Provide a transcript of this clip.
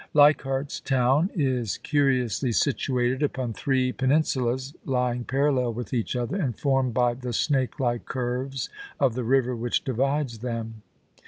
Leichardt's Town is curiously situated upon three penin sulas, lying parallel with each other, and formed by the snake like curves of the river which divides them.